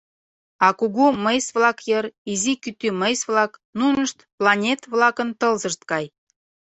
А кугу мыйс-влак йыр — изи кӱтӱ мыйс-влак, нунышт планет-влакын тылзышт гай.